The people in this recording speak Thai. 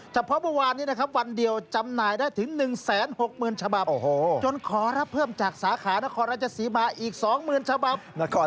แต่เพราะวันนี้วันเดียวจำหน่ายได้ถึง๑๐๖๐๐๐๐ฉบับ